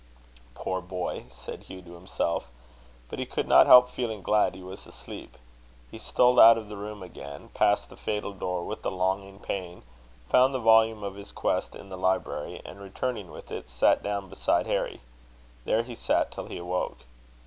"Poor boy!" said Hugh to himself; but he could not help feeling glad he was asleep. He stole out of the room again, passed the fatal door with a longing pain, found the volume of his quest in the library, and, returning with it, sat down beside Harry. There he sat till he awoke.